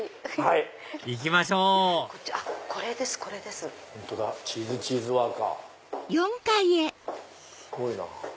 すごいな。